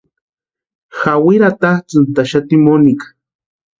Jawiri atatsʼïntaxati Monica.